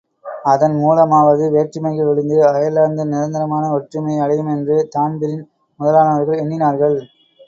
அதன் மூலமாவது வேற்றுமைகள் ஒழிந்து அயர்லாந்து நிரந்தரமான ஒற்றுமையை அடையுமென்று தான்பிரீன் முதலானவர்கள் எண்ணினார்கள்.